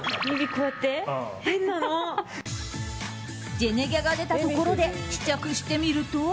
ジェネギャが出たところで試着してみると。